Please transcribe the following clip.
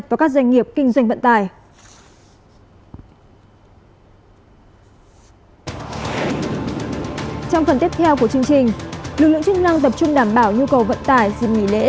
và các doanh nghiệp kinh doanh vận tải